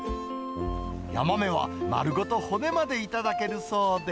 ヤマメは丸ごと骨まで頂けるそうで。